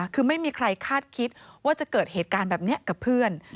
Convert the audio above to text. คือไม่มีใครคาดคิดว่าจะเกิดเหตุการณ์แบบนี้กับเพื่อน